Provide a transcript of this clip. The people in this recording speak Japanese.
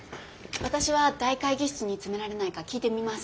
私は大会議室に詰められないか聞いてみます。